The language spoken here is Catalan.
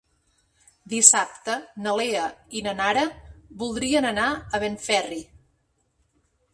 Dissabte na Lea i na Nara voldrien anar a Benferri.